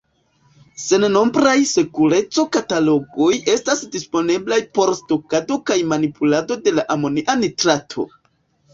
Sennombraj sekureco-katalogoj estas disponeblaj por stokado kaj manipulado de la amonia nitrato.